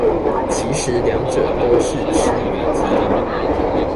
其實兩者都是趨於極端